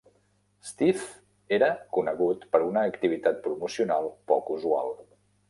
Stiff era conegut per una activitat promocional poc usual.